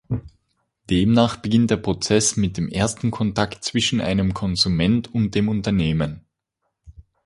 Demnach beginnt der Prozess mit dem ersten Kontakt zwischen einem Konsument und dem Unternehmen.